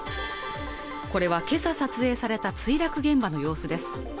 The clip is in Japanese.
これは今朝撮影された墜落現場の様子です